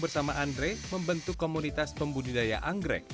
bersama andre membentuk komunitas pembudidaya anggrek